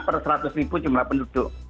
per seratus ribu jumlah penduduk